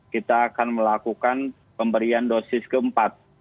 kita akan melakukan pemberian dosis keempat